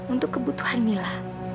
untuk kebutuhan mila